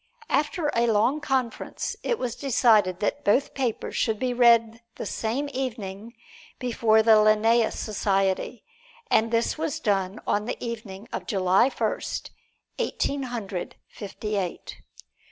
After a long conference it was decided that both papers should be read the same evening before the Linnæus Society, and this was done on the evening of July First, Eighteen Hundred Fifty eight.